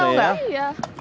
tau juga mbak